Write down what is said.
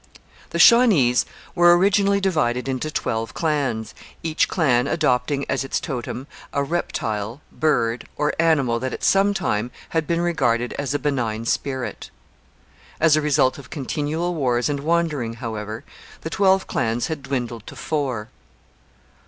The Shawnees were originally divided into twelve clans, each clan adopting as its totem a reptile, bird, or animal that at some time had been regarded as a benign spirit. As a result of continual wars and wandering, however, the twelve clans had dwindled to four.